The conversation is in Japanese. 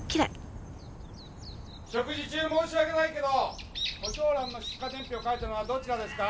食事中申し訳ないけどコチョウランの出荷伝票書いたのはどちらですか？